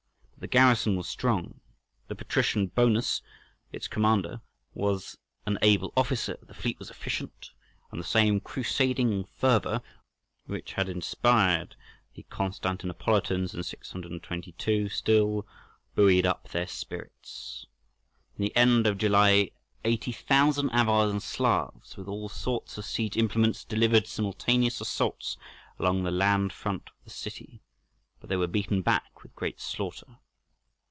But the garrison was strong, the patrician Bonus, its commander, was an able officer, the fleet was efficient, and the same crusading fervour which had inspired the Constantinopolitans in 622 still buoyed up their spirits. In the end of July 80,000 Avars and Slavs, with all sorts of siege implements, delivered simultaneous assaults along the land front of the city, but they were beaten back with great slaughter.